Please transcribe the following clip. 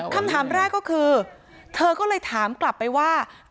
คำถามแรกก็คือเธอก็เลยถามกลับไปว่า